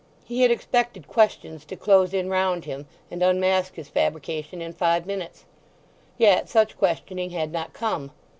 He had expected questions to close in round him, and unmask his fabrication in five minutes; yet such questioning had not come.